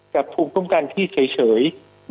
ภูมิคุ้มกันที่เฉย